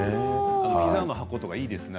ピザの箱とかいいですよね